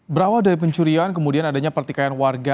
berawal dari pencurian kemudian adanya pertikaian warga